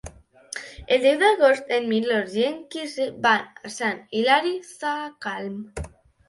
El deu d'agost en Milos i en Quirze van a Sant Hilari Sacalm.